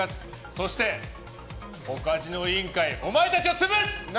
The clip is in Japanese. そして、ポカジノ委員会お前たちを潰す！